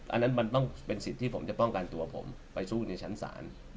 อันนั้นมันต้องเป็นสิทธิ์ที่ผมจะป้องกันตัวผมไปสู้ในชั้นศาล